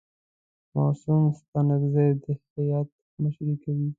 معصوم ستانکزی د هیات مشري کوي.